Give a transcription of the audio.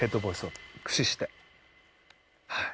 はい。